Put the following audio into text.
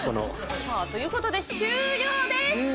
さあ、ということで終了です。